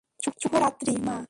শুভ রাত্রি মা!